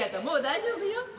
もう大丈夫よ。